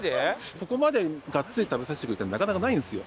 ここまでガッツリ食べさせてくれるってなかなかないんですよ。